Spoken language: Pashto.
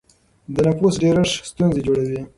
د نفوس ډېرښت ستونزې جوړوي.